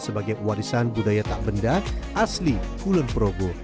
sebagai warisan budaya tak benda asli kulon probo